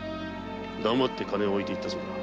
黙って金を置いて行ったそうだ。